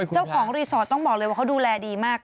เจ้าของรีสอร์ทต้องบอกเลยว่าเขาดูแลดีมาก